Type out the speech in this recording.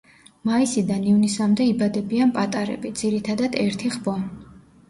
მაისიდან ივნისამდე იბადებიან პატარები, ძირითადად ერთი ხბო.